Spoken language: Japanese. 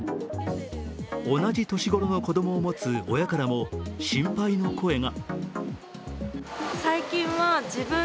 同じ年頃の子供を持つ親からも心配の声が。